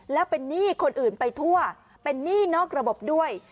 แล้วเป็นหนี้คนอื่นไปทั่วเป็นหนี้นอกระบบด้วย